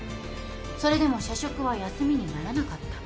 それでも社食は休みにならなかった。